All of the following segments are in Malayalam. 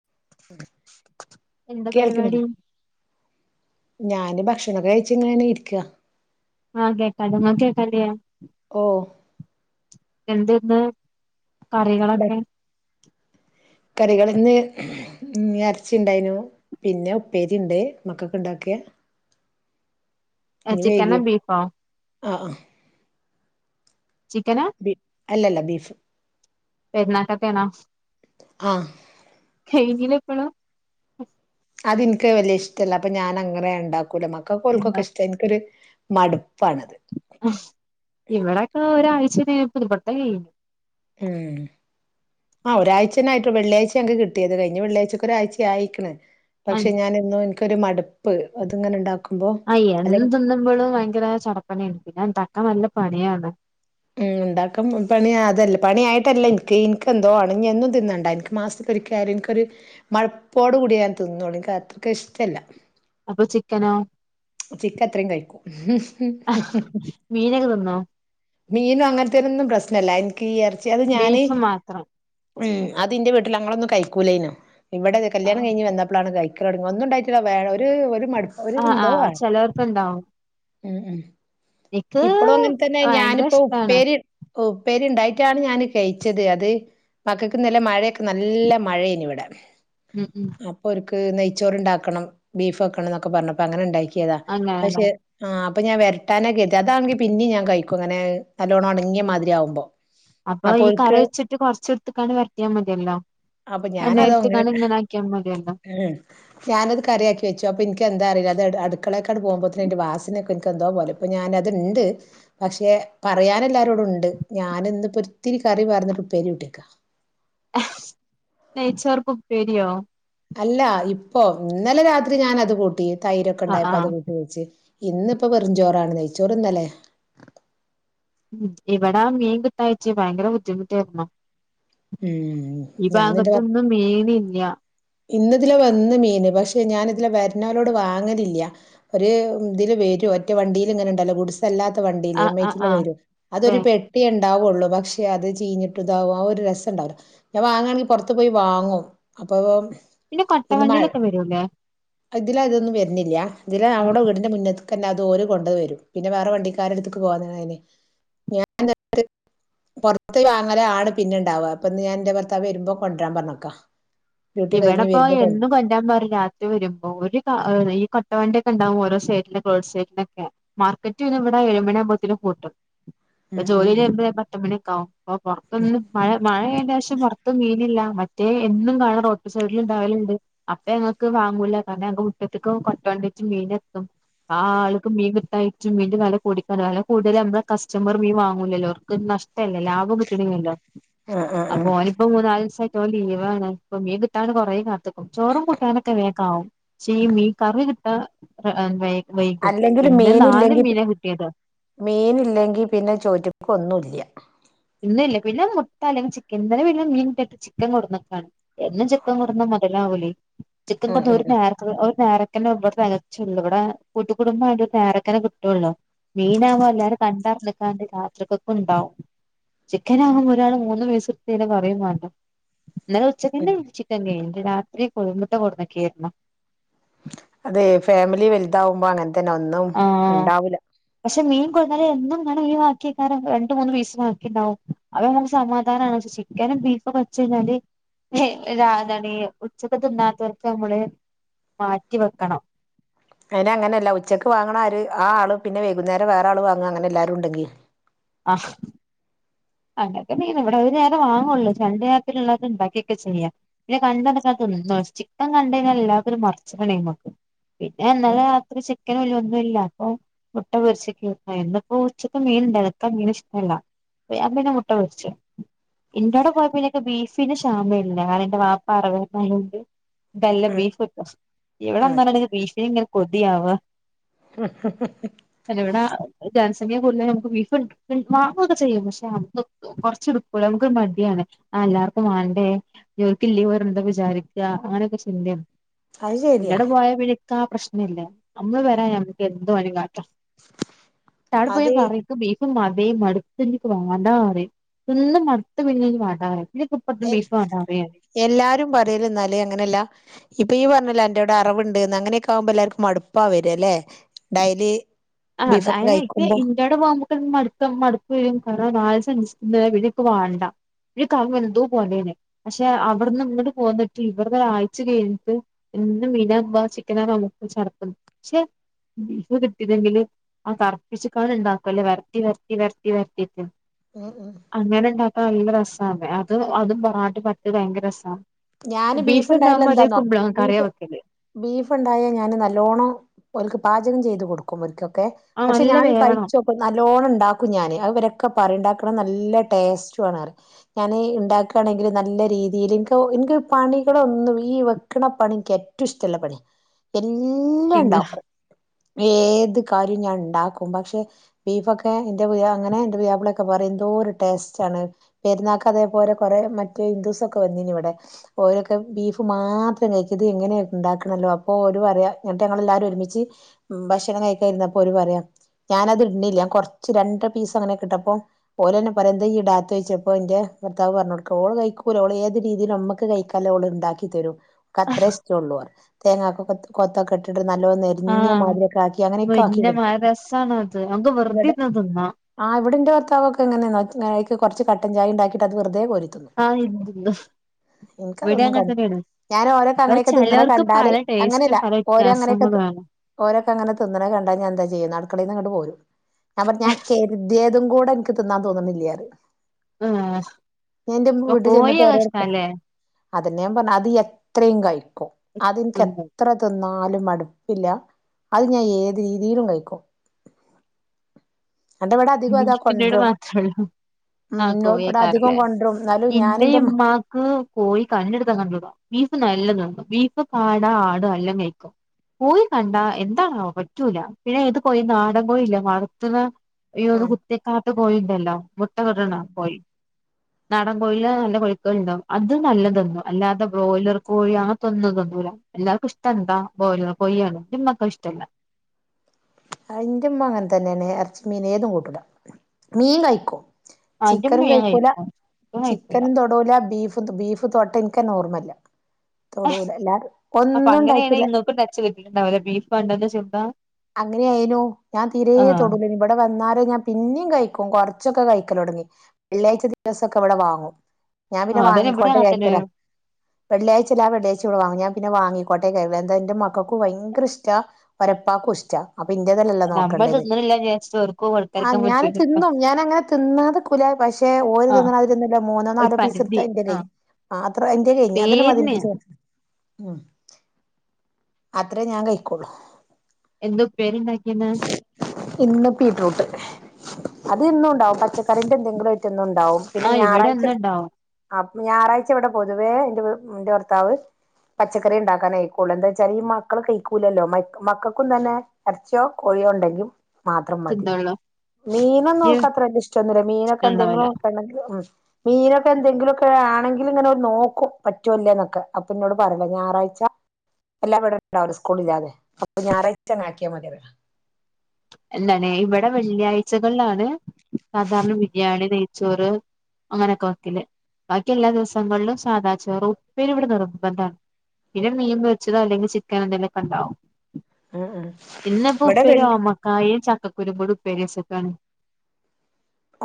[unintelligible] എന്താ പരിപാടി കേൾക്കണില്ലേ ഞാന് ഭക്ഷണംൊക്കെ കഴിച്ചങ്ങനന്നെ ഇരിക്കുക ആാാ കേൾക്കണ്ടു നിങ്ങൾക് കേൾക്കാല്ലെ ഓ എന്തെന്ന് കറികളൊക്കെ [inaudible] കറികൾ ഇന്ന് ഇറച്ചി ഉണ്ടായിനു പിന്നെ ഉപ്പേരി ഉണ്ട് മക്കൊക്കെ ഇണ്ടാക്കിയാ ചിക്കന ബീഫാ ആ ആ ചിക്കനാ ബ അല്ലല്ല ബീഫ് പെരുന്നാകാത്തനോ ആഹ ചെയനില്ലപ്പ അതെനിക്ക് വലിയ ഇഷ്ടമല്ല അപ്പൊ ഞാൻ അങ്ങനെ ഉണ്ടാക്കും അടെ മക്ക കോൽക്കോ എന്താ കഷ്ടത്തന ക മടുപ്പാണത് ഇവിടെൊക്കെ ഒരാഴ്ച പുതുപൊട്ട കഴു ഉം ആ ഒരാഴ്ചേനായിട്ട് വെള്ളിയാഴ്ച ഞക്ക് കിട്ടിയത് കഴിഞ്ഞഞ് വെള്ളിയാഴ്ചക്ക ഒരാഴ്ച ആയിക്കണ് പക്ഷെ ആഹ് ഞാൻ എന്നോ ഒരു മടുപ്പ് അത്ങ്ങനെണ്ടാക്ക ആ എ തിന്നുമ്പോഴും ഭയങ്കര ചടപ്പന ഉണ്ട് പിന്നെ എന്ത ആ നല്ല പണിയാണ്. ഉം ഉണ്ടാക്കും പണി അതല്ല പണിയായിട്ടല്ല എനിക്ക് എനിക്കെന്തോ ആണെങ്കൊന്നും തിന്നണ്ട എനിക്ക് മാസത്തിലൊരിക്കയാലും എനിക്കൊരു മഴപ്പോോട് കൂടിയ ഞൻ തിന്ന എനിക്ക് അത്രയ്ക്ക ഇഷ്ടമല്ല അപ്പൊ ചിക്കനോ? ചിക്ക അത്രയും കഴിക്കും മീനൊക്കെ തിന്നോ മീനും അങ്ങനത്തേനൊന്നും പ്രശ്നമല്ല എനിക്ക് ഈ എർ ചെത് ഞാന് ബീഫ് മാത്രം ഉ അതിന്റെ വീട്ടിൽ അങ്ങളൊന്ന കഴി ക്കുലൈനോ [unintelligible] ഇവിടെന്നു കല്യാണം കഴിഞ്ഞ് വന്നപ്പോഴാണ് ഇതായി ങ്ങ വന്നു ഉണ്ടായിട്ടില്ല വേ ഒരു [unintelligible] ആ ആ എന്തോ ആണ് ചിലവർക്കുണ്ടാവും ഉം ഉം എക്ക് ഇപ്പളും അങ്ങനെ തന്നെ അ [unintelligible] ഞാനിപ്പോ ഉപ്പേരി ഉപ്പേരി ഉണ്ടായിട്ടാണ് ഞാൻ കഴിച്ചത് അത് മക്കൾക്കിന്നലെ മഴയൊക്കെ നല്ല മഴയായിരുന്നു ഇവിടെ ഉം ഉം നക്ക് നെയ്ച്ചോറ് ഉണ്ടാക്കണം ബീഫ് വെക്കണം എന്നോക്കെ പറഞ്ഞപ്പ അങ്ങനെ ഉണ്ടായി നോക്കി [unintelligible] താ അങ്ങനെല്ലേ പക്ഷെ ആ ഞാൻരട്ടാനാ ഗതി അതണെങ്കി പിന്നെ ഞാൻ കഴിക്കും അങ്ങനെ നല്ലോണം ഉടങ്ങിയ മാതിരി ആവുമ്പോ അപ്പൊ ഈ കറി വെച്ചിട്ട് കുറചെടുത്തു ക്കാൺണ്ടവരത്തിയാ മതിയല്ലോ അപ്പൊ ഞാനത് അങ്ങനെ രണ്ടായിരത്തക്കാണ് ഇങ്ങനെ ആക്കിയാൽ മതിയല്ലോ ഉം ഞാനത് കറിയാക്കി വെച്ചു അപ്പൊ എനിക്ക് എന്താ അറിയില്ല അത് അടുക്കളയൊക്കാണ് പോകുമ്പോത്തന് എന്റെ വാസിനൊക്കെ എനിക്ക് എന്തോ പോല ഇപ്പ ഞാന അത്തുണ്ട് പക്ഷെ പറയൻ എല്ലാരോടും ഉണ്ട് ഞാന ഇന്ന ഇപ്പോ ഒത്തിരി കറി പറന്നിട്ട ഉപ്പേരി കട്ടേിക്കാം അക്ക് നച്ചോർക്കും പരിയോ അല്ല ഇപ്പോ ഇന്നലെ രാത്രി ഞാൻ അത് കൂട്ടി തൈരൊക്കെ ആഹ് ഉണ്ടായപ്പൊ അത് ആഹ് കൂട്ടി വെച്ച് ഇന്നിപ്പോ വെറുംചോറാണ് നെയ്ച്ചോറ്ന്നല്ലേയാ ഉ ഇവിടാ മീൻ കിട്ടഞ്ഞിട്ട ഭയങ്കര ബുദ്ധിമുട്ടായിരുന്നു ഉം ഈ ഭാഗത്തൊന്നും മീനില്ല ഇന്ന ഇതില വന്ന് മീന് പക്ഷെ ഞാൻ ഇതില് വരുന്നവലോട് വാങ്ങലില്ല ഒരു ഇതില് വരും ഒറ്റ വണ്ടിൽ ഇങ്ങനെ ഉണ്ടല്ലോ ഗൂടിസ്ല്ലാത്ത വണ്ടില് ആഹ് ആഹ് വിട്ടില് ആഹ് വരും വേ അതൊരു പെട്ടിയുണ്ട് ഉണ്ടാവുള്ളൂ പക്ഷെ അത് ചെയീഞ്ഞിട്ടുതാാവും ആ ഒരു രസ്ത ണ്ടാവല്ലോ ഞാൻ വാങ്ങയാണെങ്കിൽ പുറത്ത് പോയി വാങ്ങും അപ്പോവും പിന്നെ ഇന്ന് മഴ കൊട്ടവണ്ടിയിലൊക്കെ വരൂല്ലേ ഇതില ഇതൊന്നും വരുന്നില്ല ഇതില അവളുടെ വീടിന്റെ മുന്നേത്തേ ക്കന്നെ അത്ഓര് കൊണ്ട വരും പിന്നെ വേറെ വണ്ടിക്കാരര് ത്തു ക്ക് പോവാന്ന്‌ അയിന്ഞാൻ എ പോർത്ത് വാങ്ങലാ പിന്നെണ്ടാവാ പ്പൊന്ന് ഞാൻ ന്റെ ഭർത്താവ് വരുമ്പോ കൊൻ ട്രാൻ പറഞ്ക്കാ ഇവിടെപ്പോ എന്തു കൊന്റാൻ പറിം രാത്രി വരുമ്പോ ഒരു കാ [unintelligible] ട്ട വണ്ടി ക്കെ ഉണ്ടാകും ഓരോ സൈറ്റിലും ക്ലോസ് സൈറ്റിലൊ ക്കെ മാർക്കറ്റ് പിന്നെ വടെ ഏഴുമണിയാവുമ്പത്തിനും പൂട്ടും ഉം ഉം ജോലിലെ ഉം രുമ്പോ പത്തുമണിക്കെ ആവും അപ്പൊ പൊറത്തു ന്ന് മഴ മഴയെ ത്യാവശ്യം പുറത്തും മീനില്ല മറ്റേ എന്നും കാണാം റോട്ടിൽക്കു സൈഡിൽ ഉണ്ടാവല് ണ്ട് അപ്പൊ ഞങ്ങക്ക് വാങ്ങൂല കാരണം ഞ മുറ്റത്ത്ക്ക് കൊണ്ടോ ണ്ടെ ച്ച് മീൻ എത്തും ആ ആൾക്ക് മീൻ കി ട്ടാ യിട്ടും മീ ന്റെ വെ ല കൂടി ക്കാ വില കൂടുതലാ നമ്മൾ കസ്റ്റമർ മീൻ വാങ്ങൂലല്ലോ അവർക്ക്നഷ്ടം ല്ല ല്ല ലാഭോ ക്കെ ചുരുങ്ങ്യല്ലോ ആഹ് ആഹ് അപ്പൊ ആഹ് ഓനിപ്പോ മൂന്നാലുസമാ ഇന്നോൻ ലീവാണ് പൊ [unintelligible] കുറേ കാത്തക്കും ചോറും കൂട്ടാനൊക്കെ വേഗാ വും ഷേ ഈ മീൻ കറി കിട്ടാൻ വൈകും അല്ലെങ്കിലും ഇന്ന് നാല് മീനില്ലങ്കി പ് മീനാ കിട്ടിയത് മീൻ ഇല്ലെങ്കി പിന്നെ ചോറ്റക്കൊന്നൂല്യ ഇന്നില്ലെ പിന്നെ മുട്ട അല്ലെങ്കി ചിക്കൻ ഇന്നലെ പിന്നേ മീൻ [unintelligible] ചിക്കൻ കൊടന്ന് ക്കാണ് എന്നും ചിക്കൻ കൊട് ന്നാ മുതലാവൂലയ് ചിക്കൻ ഉം കൊന്ത് ഉം ഒരു ഉം നേരത്ത് ഒരു നേര [unintelligible] തെക ച്ചള്ളു ഇവിടെ കൂട്ട കുടുംബം അ യൊണ്ട് താ ര് ക്കനെ കിട്ടൊ ള്ളൂ മീനാവ്ബൊ എല്ലാരും കണ്ടറിഞ്ഞങ്ങാട് രാത്രിക്കൊക്കെ ണ്ടാവും ചിക്കാനാ ആകുമ്പോ ഒരാൾ മൂന്ന് പീസ്ട് തുകയ് ഞ്ഞ പറയും വാ ണ്ടാ ഇ ന്നലെ ഉച്ചകെന്നെ ചിക്കൻ കയ് ഞ്ഞു രാത്രി കോ ഴിമുട്ട കൊടുന്ന്കേര് ന്നു താവു മ്പൊ അങ്ങെ തന്നെ ഒന്നും ആഹ് ഉണ്ടാവൂല്ല പക്ഷെ മീൻ കൊട് ന്നാ ല് എന്നും ഇ ങ്ങനെമീൻ വാ ക്യാ ക്കാരം രണ്ട് മൂ ന്ന് പീസ് വാ ക്കിണ്ടാവും അ ഹ് സമാധാനാ ണ് പക്ഷെ ചിക്കനും ബീഫും വെച്ച് കഴിഞ്ഞാല് രാധണീ ഉച്ചക്ക് തിന്നാത്തോ ർക്ക് മ്മള് മാറ്റി വ ക്കണം അയ്‌ന ങ്ങനെല്ല ഉച്ചക്ക് വാങ് ണ് ആര് ആ ആള് പിന്നെ വൈകുന്നേരം വേറെ ആള് വാങ്ങാ അങ്ങനെ എല്ലാരും ഉണ്ടെങ്കി അഹ് അംഗൻതന്നേയ്യ്‌ ണ് ഇവിടെ ഒ ര് നേരെ വാങൊ ള്ളൂ രണ്ട് നേരത്തിനുള്ളക്കെ ഇണ്ടാക്കെ ക്കാ ചെയ്യാ പിന്നെ [unintelligible] തിന്നോളും പിന്നെ ചിക്കൻ കണ്ട് കയിഞ്ഞ എല്ലാവർക്കും ഒരു [unintelligible] പിന്നെ ഇ ഉം ന്നലെ രാത്രി ചി ക്കനൂല്ല ഒന്നൂല്ല പൊ മുട്ട പൊരിച്ചക്കെന്നു ഇന്നുപ്പൊ ഉച്ചക്ക് മീൻ ഇ ണ്ടെന്നു [unintelligible] ഇഷ്ടമല്ല അപ്പ ന്നെ മുട്ട പോര്ച്ചു ഇ ന്റോടെ പോയപ്പിന്നെക്ക് ബീഫിന് ശാമ ല്ല കാരണം എന്റെ വാപ്പ അറിവെർനാ ഉം യോ ഉം [unintelligible] കൊതി ആവാ [unintelligible] [unintelligible] വാങ്ങുയ്ക്കെ ചെയ്യാം പക്ഷെ കൊറച്ച് ട് ക്കൂല്ല നമുക്ക് മടിയാണ്അതെ ല്ലാവർക്കും വാണ്ടേ ഓൽ ക്കില്ലെങ്കില വർ വിചാരിക്കാ അങ്ങനെയൊക്കെ ചിന്തേ അത് ശരിയാ ണ് [unintelligible] പോയപ്പിന്നെ ക്കാ പ്രശ്നല്ല നമ്മള് വരാ നമുക്ക് എന്ത് വേണേൽ കാ താടെ പോയാ അത് പറൈക്ക ബി ക്ക് മതി മടുത്ത് വാണ്ട പറിം തിന്ന് മടുത്ത് പിന്നീം വാണ്ട പറിം എ എല്ലാരും പറയല് ന്നാ ല് അങ്ങനെല്ല ഇപ്പൊ ഈ പറഞ്ഞല്ലോ എന്റെയവിടെ അറിവുണ്ട്ന്ന് അങ്ങനെയൊക്കെ ആുമ്പോ എല്ലാവർും മടുപ്പാവ വര അല്ലേ ഡൈലി ആ് അ അതിന് ഇന്ത്യടെ പോകുമ്പോക്ക മടു മടുക്ക വരും കാരണം നാള സ വീടൊക്കെ വാണ്ട ഒരു കമ്മ എന്തോ പോകണ്ടേനെ പക്ഷെ അവിടുന്ന് ഇങ്ങോട്ട് പോകന്നിട്ട് ഇവടത ഒരാഴ്ു കഴിഞ്ഞിട്ട് ഇും മീനമ്പാ ചിക്കന നമുക്ക് ചടപ്പ് പക്ഷെ ബീഫ് കിട്ടിയതെങ്കിൽ ആ കർപ്പിച്ച കള ഉണ്ടാക്കും അല്ലേ വരട്ടി വരട്ടി വരട്ടി വരട്ടി ട്ട് ഉം ഉം അങ്ങനെണ്ടാക്കാ നല്ല രസ രസ അതെ അത് അതും പാട്ട് പറ്റ് ഭയങ്കര രസമാണ് ഞാന് ബീഫ് ഇണ്ടായല്ല എന്താന്നോ കറിയാ ബീഫ് വെക്കല് ബീഫ് ഇണ്ടായാ ഞാന് നല്ലോണം ഓൾക്ക് പാചകം ചെയ്തു കൊടുക്കും ഒരിക്ക ക്കെ ആഹ് പക്ഷെ നല്ല ഞാൻ വേവണം കഴിച്ചോക്കെ നല്ലോണ്ണം ഉണ്ടാക്കും ഞാന് അത് ഇവരൊക് ക്കെ പറുണ്ടാക്ക്ണ നല്ല ടെസ്റ്റുവാണ് പറയും ഞാൻ ഉണ്ടാക്കുകയാണെങ്കിൽ നല്ല രീതിയില് എനിക്ക് പണികള ഒന്നും ഈ വെക്ക്ണ പണി ക്ക് ഏറ്റവും ഇഷ്ടള്ള പണിയ പിന്നെ ഏത് കാര്യവും ഞാൻ ഉണ്ടാക്കും പക്ഷെ ബീഫൊക്കെ എന്റെ അങ്ങനെ എൻ്റെ ബാപ്പിളൊക്കെ പറയും എന്തോ ഒരു ടേസ്റ്റ് ആണ് പെരുന്നാക്ക് അതേപോലെ കുറേ മറ്റേ ഹിന്ദുസൊക്കെ വന്നിനി ഇവി ടെ ഓരൊക്കെ ബീഫ് മാത്രം കഴിക്കത് എങ്ങനെയ ഉണ്ടാക്കണല്ലോ അപ്പോ ഒരു പറയാ എന്നിട്ട് ഞങ്ങെല്ലാരും ഒരുമിച്ച് ഭക്ഷണം കഴിക്കായിരുന്നു അപ്പോ ഒര് പറയാം ഞാന അത് ഇടുന്നില്ല കുറച്ച് രണ്ട് പീസ് അങ്ങനെ കിട്ടപ്പോ ഓലന്നെ പറയാ എന്ത ഈ ഇട അത്ത് വെച്ചപ്പോ എന്റെ ഭർത്താവ് പറഞ്ഞ കൊടുക്ക ഓള് കഴിക്കൂല്ല ഓൾ ഏത് രീതിൽ നമ്മുക്ക് കൈയിക്കാല ഓള് ഉണ്ടാക്കി തരും കത്രശ്ട്ടള്ളൂ പറ തേങ്ങക്ക കൊ കൊത്തൊക്കെട് ന്നിട്ട് നല്ലോ നെരുങ്ങിയ ആഹ് മാതിരി ഒക്കെ ആക്കി അങ്ങനക്കെ ആക്കി മുരിങ്ങ മാ കൊടുക്കൂ രസാണത് നമുക്ക് വെറുതെ ഇവിടെ ഇരുന്ന് തിന്നാ ആ ഇവിടെൻ്റെ ത്താവെങ്ങെനേ നക്കി നാ അയ്ക്ക് കുറച്ച് കട്ടൻ ചായ ഉണ്ടാക്കിട്ട്ത് വെുതെ കോരി ആഹ് [inaudible] ഇവിടെ എനിക്കതൊന്നും അങ്ങനെ കണ്ട തന്നെയാണ് ഞാൻ ഓരോക്കെ അത് അങ്ങനെയൊക്കെ തിന്നണേ ചിലവർക്ക് കണ്ടാല് പല ടേസ്റ്റും അങ്ങനെയല്ല പല ഓരോ അങ്ങനെയൊക്കെ വ്യത്യാസങ്ങളുമാണ് ഓരൊക്കെ അങ്ങനെ തിന്നണേ കണ്ടാൽ ഞാൻ എന്താ ചെയ്യുന്ന അക്കടൽ നിങ്ങട്ട പോരും ഞാൻ പറ ഞാൻ കരുത്യേതും ഓടെ എനിക്ക് തിന്നാൻ തോന്നുന്നില്ലായറും ആഹ് ഞാൻ എന്റെ വീട്ടിൽ ചെന്നിട്ട് രോട് അല്ലേ അതന്നെയ പറഞ്ഞ അത് എത്രയും കഴിക്കും അതിനിക്ക് എത്ര തിന്നാലും മടുപ്പില്ല അത് ഞാൻ ഏത് രീതിയിലും കഴിക്കും എന്റെ ഇവിടെ അധികം അതാ ബീഫിന്റോട് കൊണ്ടരും മാത്രേള്ളൂ ഉം ആഹ് ൻ്റോ ഇവിടെ അധികം കോഴിയേക്കാരല്ലേ കൊണ്ടരും എന്നാലും ഞാൻ എൻ്റെ മ ക്ക് കോഴി കണ്ടെടുത്താ കണ്ടടാം ബീഫ് നല്ല നിന്നും ബീഫ് കാടാ ആടും എല്ലാം കഴിക്കും കോഴി കണ്ടാ എന്താണ പറ്റൂല പിന്നെ ഇത് കോയിന്ന് നാടൻ ട കോഴല്ല വളർത്തുന്ന ഈ ഒന്ന് ആഹ് കുറ്റക്കാത്ത് പോയിണ്ടല്ലോ മുട്ട കടണ പോയി നാടൻ കോഴയില നല്ല കോഴിക്കൾ ഉണ്ടാവും അത് നല്ലതൊന്നും അല്ലാതെ ബ്രോയിലർ കോഴി അങ്ങെ തൊന്നതൊന്നുമല എല്ലാവർക്ക ഇഷ്ട എന്താ ബ്രോയിലർ കോഴിയാണ് നിമ്മക്ക ഇഷ്ടമല്ല അയിന്റെമ്മ അങ്ങനെ തന്നെയാണ് ഇറച്ചി മീൻ ഏതും കൂട്ടൂല മീൻ കഴിക്കും ആഹ് ചിക്കനും ഇന്റെമ്മ ഞാൻ കഴിക്കൂല കഴിക്കും ഇപ്പം കഴിക്കൂല ചിക്കനും തൊടൂല ബീഫ് ബീഫ് തൊട്ട ഇൻകന്നെ നോർമല്ല അപ്പൊ അങ്ങനെയണ ഇങ്ങൾക്ക് ടച്ച് കിട്ടിട്ടുണ്ടാവില്ല ബീഫ് വണ്ടന്ന് ചോന്ത അങ്ങനൊയിനു ഞാൻ തീരെ തൊടൂല ഇവിടെ വന്നാ ഞാൻ പിന്നെയും കഴിക്കും കുറച്ചൊക്കെ കഴിക്കല തുടങ്ങി വെള്ളിയാഴ്ച ദിവസൊക്കെ ഇവിടെ വാങ്ങും ഞാൻ പിന്നെ ആഹ് അതന്നെ ഇവിടെ വാങ്ങിക്കോട്ടെ അങ്ങനെ തന്നെ ജാരിക്കല വെള്ളിയാഴ്ചല്ല വെള്ളിയാഴ്ച വാങ്ങിയ പിന്നെ വാങ്ങിയ [unintelligible] എന്റെ മക്കക്ക് ഭയങ്കര ഇഷ്ടാ പരപ്പാക്കും ഇഷ് ച്ച അപ്പൊ ഇൻ്റെതല്ലല്ലോ നമ്മൾ നോക്കണ്ടത് തിന്നണില്ല വിചാരിച്ചിട്ട് ഓർക്കും ആ കൊടുക്കാതിരിക്കാൻ ഞാനും പറ്റൂലല്ലോ തിന്നും ഞാനാങ്ങനെ തിന്നതെനിക്കൂല്ലാ പശെ ഓര് ആഹ് തിന്നമാതിരി മൂന്നോ ഒരു നാലോ പീസ് പരിധി എടുത്ത് യിന്റെകൈഞ്ഞി ആഹ് ആ അത്ര എന്റെ കഴിഞ്ഞി അതിന്നേ മതി എനക്ക് പേരിന് ചേറ് ഉം അത്രേ ഞാൻ കഴിക്കോളു എന്തു ഉപ്പേരിയുണ്ടാക്കിന്നാ ഇന്ന് ബീട്ട്യുട്ട് അതയെന്നും ഒണ്ടാവും പച്ചക്കറിൻ്റെ എന്തെങ്കിലും ഐറ്റം എന്നുമൊണ്ടാകും ണ്ടാവും പിന്നെ ആഹ് ഇവിടെ ഞായറാഴ്ച ഇന്ന് ഉണ്ടാവും ആ ഞായറാഴ്ച ഇവിടെ പൊതുവേ എന്റെ എന്റെ ഭർത്താവ് പച്ചക്കറി ഉണ്ടാക്കാനായിക്കുള്ളൂ എന്താ വെച്ചാല് ഈ മക്കൾ കഴിക്കൂലല്ലോ മ മക്കൾക്കും തന്നെ എർച്ചിയോ കോഴിയോ ണ്ടങ്കിൽ മാത്രം മതി തിന്നോളൂ മീനൊന്നും ഇനി അവൾക്ക് അത്ര വല്യ ഇഷ്ടൊന്നുമില്ല മീനൊക്കെ എന്തെങ്കിലും ഉണ്ടാവൂല ഒക്കെയുണ്ടെങ്കിൽ ഉം മീനൊക്കെ എന്തെങ്കിലുമൊക്കെ ആണെങ്കിലും ഇങ്ങനെ നോക്കും പറ്റൊല്ലേ എന്നൊക്കെ അപ്പന്നോട് പറയല്ല ഞായറാഴ്ച എല്ല ഇവിടേ ഉണ്ടാവും സ്കൂള് ഇല്ലാതെ അപ്പൊ ഞായറാഴ്ച തന്നെ ആക്കി [unintelligible] എന്താണ് ഇവിടെ വെള്ളിയാഴ്ചകളിലാണ് സാധാരണ ബിരിയാണി നെയ്ച്ചോറ് അങ്ങനെയൊക്കെ വെയ്ക്കല് ബാക്കി എല്ലാ ദിവസങ്ങളിലും സാദാ ചോറ് ഉപ്പേരി ഇവിടെ നിർബന്ധാണ് പിന്നെ മീൻ പൊരിച്ചതോ അല്ലെങ്കിൽ ചിക്കൻ എന്തെങ്കിലുമൊക്കെ ണ്ടാവും ആ ആ ഇവിടെ വെള്ളി [unintelligible] ചക്കകുരൂം കൂടെ ഉപ്പേരി വെച്ചേക്കാണ്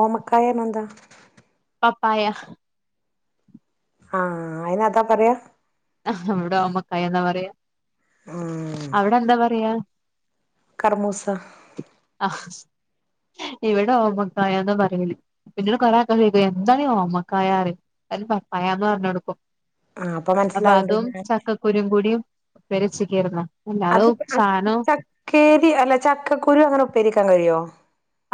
ഓമക്കായെന്നു എന്താ പപ്പായ ആ അയിന് അതാ പറയാ ഇവിടെ ഓമക്കായ എന്നാ പറയാ ഉം അവിടെ എന്താ പറയാ കർമൂസ ഇവിടെ ഓമക്കായാന്നാ പറയല് പിന്നീട് കൊറേ ആൾക്കാര് ചോദിക്കും എന്താണ് ഈ ഓമക്കായ അതിന് പപ്പായാന്ന് പറഞ്ഞ് കൊടുക്കും ആഹ് അപ്പൊ മനസ്സിലാവണ്ട് അതും ഞാൻ ചക്കക്കുരുവും കൂടിയും പരിച്ചിക്ക്രുന്ന അത് അ ചക്കേരി അല്ല ചക്കക്കുരു അങ്ങനെ ഉപ്പേരിക്കാൻ കഴിയുവോ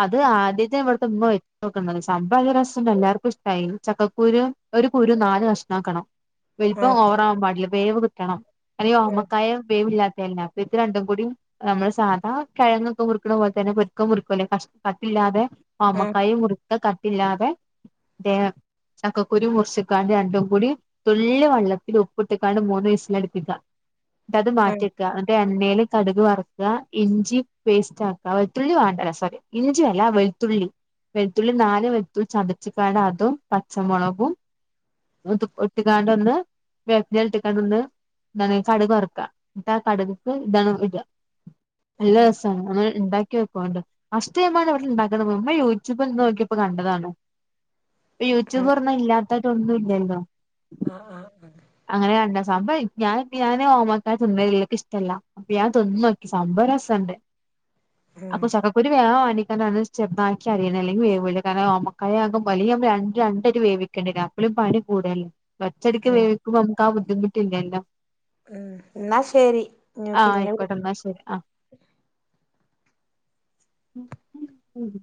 അത് ആദ്യത്തെ ഇവിടുത്തെ ഉമ്മ വെച്ച് നോക്കുന്നത് സംഭവം രസംണ്ട് എല്ലാവർക്കും ഇഷ്ടായി ചക്കക്കുരു ഒരു കുരു നാല് കഷ്ണമാക്കണം വലുപ്പം ഉം ഓവറാവാൻ പാടില്ല വേവ് കിട്ടണം അല്ലേ ഉം ഓമക്കായ വേവില്ലാ അ അപ്പ ഇത് രണ്ടും കൂടി നമ്മള് സാധാ കിഴങ്ങ് ഒക്കെ മുറിക്കുന്ന പോലെ തന്നെരു ക്കം മുറു വെക്കുലേ കഷ് കട്ടില്ലാതെ ഉം ആമക്കായ മുറി ഒക്കെ കട്ടില്ലാതെ ചക്കക്കുരു മുറിച്ചിക്കാണ്ട് രണ്ടും കൂടി തുള്ളി വെള്ളത്തി ഉപ്പിട്ടക്കാണ്ട് മൂന്ന് വിസ്സില് അടുപ്പിക്ക എന്നിട്ട് അത് ഉം മാറ്റി വെക്ക എന്നിട്ട് എ എണ്ണേൽ കടുക് വർക്കുക ഇഞ്ചി പേസ്റ്റ് ആക്കുക വെളുത്തുള്ളി വാണ്ട രസ ഇഞ്ചിയല്ല വെളുത്തുള്ളി വെളുത്തുള്ളി നാല് വെളുത്തുള്ളി ചതച്ചിക്കാണ്ട് അതും പച്ചമുളകും ഇട്ടുകാണ്ട് ഒന്ന് വേപ്പനൽ ഇട്ടിക്കാണ്ട് ഒന്ന് ഇങ്ങനെ കടക് വർക്ക എന്നട്ട് ആ കടുക്ക്ക് ഇതാണ് ഇടുക ഉം നല്ല ഉം രസാണ് ഒന്ന് ഇണ്ടാ ക്ക്യേ ക്കോണ്ടു ഫസ്റ്റ് ടൈം ആണ് ഇവിടെ ഉണ്ടാക്കണത് അമ്മ യൂട്യൂബിൽ നിന്ന് നോക്കിയപ്പോ കണ്ടതാണ് യൂട്യൂബ് തുറന്നാ ഇല്ലാത്തതായിട്ട് ഒന്നു എന്താ ആഹ് ആഹ് ആ അങ്ങനെ കണ്ട സംഭവം ഞാൻ ഓമക്കാ തിന്നെല്ല എനിക്ക് ഇഷ്ടമല്ല അപ്പൊ ഞാൻ തിന്നോക്കി സംഭവം രസണ്ട് ഉം അപ്പൊ ചക്കക്കുരു വേഗം ഒണ അ ചെറുതാക്കി അരിയണം അല്ലെങ്കിൽ വേവുല്ല കാരണം ഓമക്കായ ആകുമ്പോ അല്ലെങ്ക രണ്ടും രണ്ടായിട്ട് വേവിക്കണ്ടിരും അപ്പഴും പണി കൂടെ ഒള്ളു ഒറ്റടിക്ക് ഉം വേവി മുക്ക് ആ ബുദ്ധിമുട്ടില്ലല്ലോ ഉം ന്നാ ശെരി ഞ് ആ പിന്നെ ആയിക്കോട്ടെ എന്നാ ശരി ആ [inaudible]